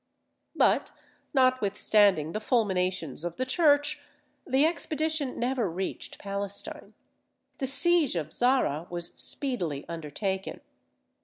But notwithstanding the fulminations of the Church, the expedition never reached Palestine. The siege of Zara was speedily undertaken.